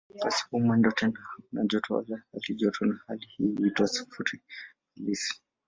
Pasipo mwendo tena hakuna joto wala halijoto na hali hii huitwa "sifuri halisi".